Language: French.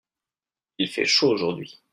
Il fait chaud aujourd'hui.